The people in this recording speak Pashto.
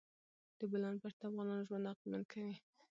د بولان پټي د افغانانو ژوند اغېزمن کوي.